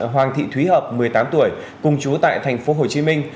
hoàng thị thúy hợp một mươi tám tuổi cùng chú tại thành phố hồ chí minh